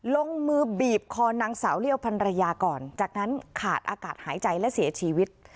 ลงมือบีบคอนางสาวเลี่ยวพันรยาก่อนจากนั้นขาดอากาศหายใจและเสียชีวิต